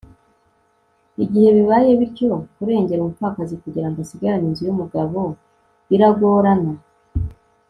igihe bibaye bityo kurengera umupfakazi kugira ngo asigarane inzu y'umugabo biragorana